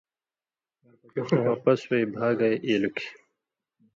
واپس وئ بھا گائ ایلوۡ کھیں